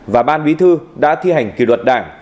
và ban bí thư đã thi hành kỷ luật đảng